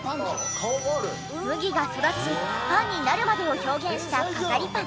麦が育ちパンになるまでを表現した飾りパン。